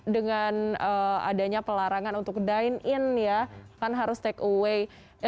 dengan adanya pelarangan untuk dine in ya kan harus take away